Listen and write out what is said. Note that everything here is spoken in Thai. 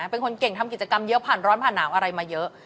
เป็นคนเก่งทำกิจกรรมเยอะผ่านร้อนผ่านหนาวอะไรมาเยอะ